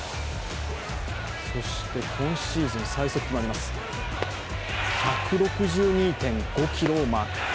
そして今シーズン最速もあります、１６２．５キロをマーク。